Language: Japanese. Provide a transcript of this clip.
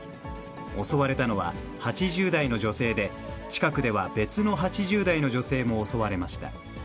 襲われたのは８０代の女性で、近くでは別の８０代の女性も襲われました。